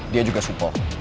dia juga super